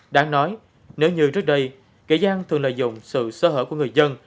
đáng nói nếu như trước đây kẻ gian thường lợi dụng sự sơ hở của người dân